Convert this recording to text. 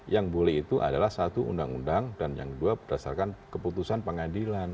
yang boleh itu adalah satu undang undang dan yang dua berdasarkan keputusan pengadilan